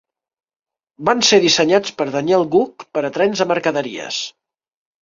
Van ser dissenyats per Daniel Gooch per a trens de mercaderies.